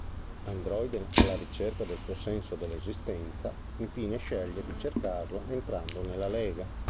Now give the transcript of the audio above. Androide alla ricerca del suo senso dell'esistenza, infine sceglie di cercarlo entrando nella Lega.